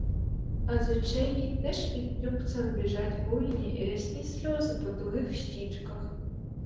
А з очей їй теж підтюпцем біжать буйні, рясні сльози по тугих щічках.